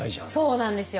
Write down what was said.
そうなんですよ。